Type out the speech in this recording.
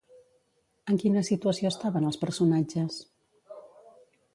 En quina situació estaven els personatges?